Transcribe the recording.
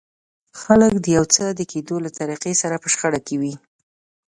خلک د يو څه د کېدو له طريقې سره په شخړه کې وي.